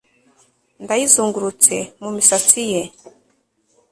Ndayizungurutse mumisatsi ye